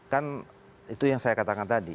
kan itu yang saya katakan tadi